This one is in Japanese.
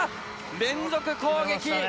連続攻撃！